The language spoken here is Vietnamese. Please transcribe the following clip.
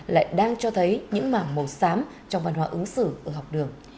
lại đang cho thấy những mảng màu xám trong văn hóa ứng xử ở học đường